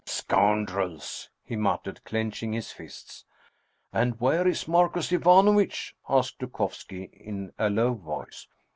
" Scoundrels !" he muttered, clenching his fists. " And where is Marcus Ivanovitch ?" asked Dukovski in a low voice.